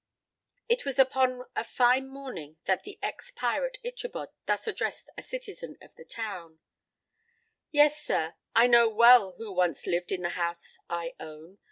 It was upon a fine morning that the ex pirate Ichabod thus addressed a citizen of the town: "Yes, sir, I know well who once lived in the house I own.